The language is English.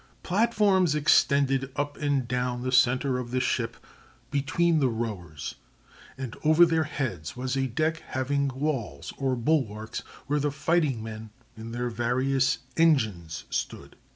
Platforms extended up and down the center of the ship between the rowers; and over their heads was a deck having walls or bulwarks where the fighting men and their various "engines" stood.